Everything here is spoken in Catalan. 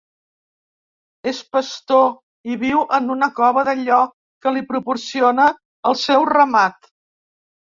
És pastor i viu en una cova d'allò que li proporciona el seu ramat.